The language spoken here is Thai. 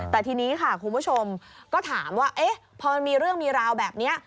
แต่ทีนี้ค่ะคุณผู้ชมก็ถามว่าพอมันมีเรื่องมีราวแบบนี้